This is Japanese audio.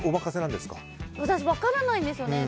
私、分からないんですよね。